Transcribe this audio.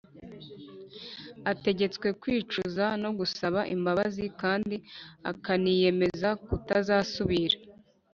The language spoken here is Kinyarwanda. ategetswe kwicuza no gusaba imbabazi, kandi akaniyemeza kutazasubira.